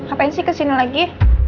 apaan sih kesini lagi